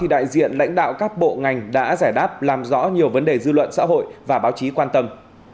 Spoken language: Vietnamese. đại diện lãnh đạo các bộ ngành đã giải đáp làm rõ nhiều vấn đề dư luận xã hội và báo chí quan tâm